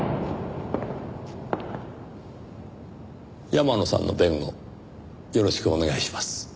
山野さんの弁護よろしくお願いします。